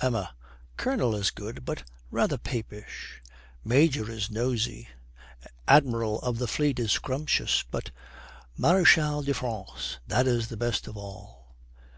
EMMA. 'Colonel is good, but rather papaish; Major is nosey; Admiral of the Fleet is scrumptious, but Marechal de France that is the best of all.'